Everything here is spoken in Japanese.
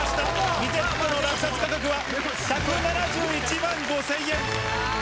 ミゼットの落札価格は、１７１万５０００円。